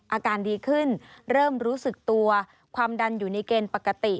อาการดีขึ้นเริ่มรู้สึกตัวความดันอยู่ในเกณฑ์ปกติ